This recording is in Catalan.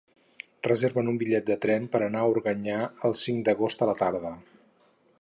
Reserva'm un bitllet de tren per anar a Organyà el cinc d'agost a la tarda.